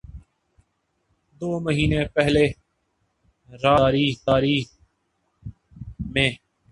دو مہینے پہلے راہداری میں